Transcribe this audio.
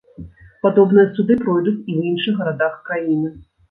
Падобныя суды пройдуць і ў іншых гарадах краіны.